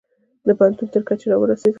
د پوهنتون تر کچې را ورسیدل